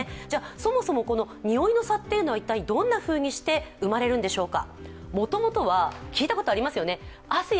そもそも、このにおいの差というのは一体どんなふうにして生まれるんでしょうか。